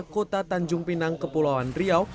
kota tanjung pinang kepulauan riau